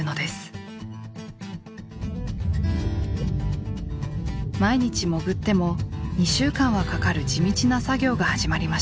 毎日潜っても２週間はかかる地道な作業が始まりました。